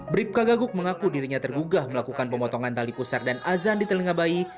bribka gaguk mengaku dirinya tergugah melakukan pemotongan tali pusar dan azan di telinga bayi